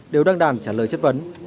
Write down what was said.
đều đang đàn trả lời chất vấn